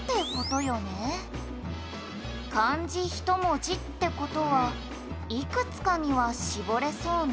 「漢字１文字って事はいくつかには絞れそうね」